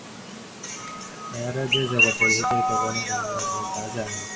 তাঁহারা যে জগতের হিতের জন্য কখনও কিছু বলিয়াছিলেন, তাহা জানা নেই।